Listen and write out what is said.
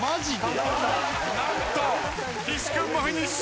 何と岸君もフィニッシュ！